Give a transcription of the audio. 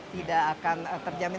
tidak akan terjamin